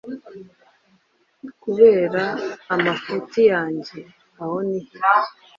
kubera amafuti yange. Aho ni he?